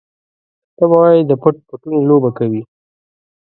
ته به وايې د پټ پټوني لوبه کوي.